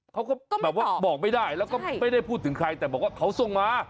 เขาก็แบบว่าบอกไม่ได้แล้วก็ไม่ได้พูดถึงใครแต่บอกว่าเขาส่งมา